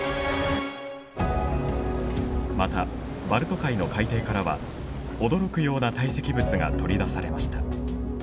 またバルト海の海底からは驚くような堆積物が取り出されました。